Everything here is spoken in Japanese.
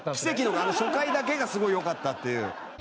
初回だけがすごい良かったっていう。